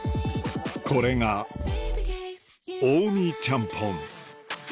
これが近江ちゃんぽん